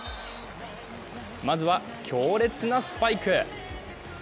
まずは、強烈なスパイク。